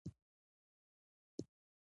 لښکر له تندې ماتې خوړلې ده.